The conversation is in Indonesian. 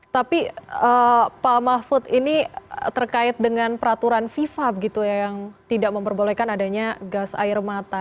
tapi pak mahfud ini terkait dengan peraturan fifa yang tidak memperbolehkan adanya gas air mata